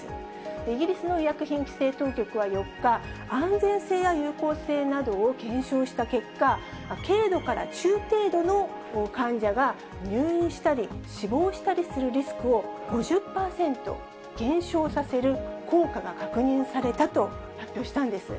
イギリスの医薬品規制当局は、４日、安全性や有効性などを検証した結果、軽度から中程度の患者が入院したり、死亡したりするリスクを５０％減少させる効果が確認されたと発表したんです。